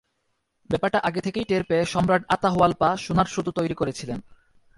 ব্যাপারটা আগে থেকেই টের পেয়ে সম্রাট আতাহুয়াল্পা সোনার সুতো তৈরি করেছিলেন।